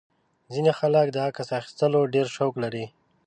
ځینې خلک د عکس اخیستلو ډېر شوق لري.